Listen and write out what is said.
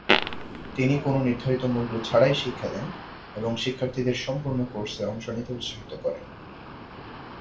তিনি কোনও নির্ধারিত মূল্য ছাড়াই শিক্ষা দেন এবং শিক্ষার্থীদের সম্পূর্ণ কোর্সে অংশ নিতে উত্সাহিত করে।